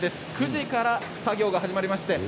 ９時から作業が始まりました。